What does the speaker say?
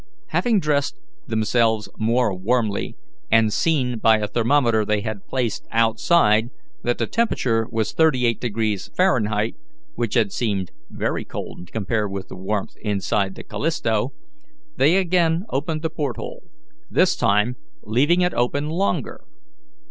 Having dressed themselves more warmly, and seen by a thermometer they had placed outside that the temperature was thirty eight degrees Fahrenheit, which had seemed very cold compared with the warmth inside the Callisto, they again opened the port hole, this time leaving it open longer.